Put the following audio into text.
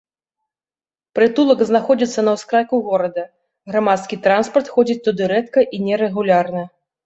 Прытулак знаходзіцца на ўскрайку горада, грамадскі транспарт ходзіць туды рэдка і нерэгулярна.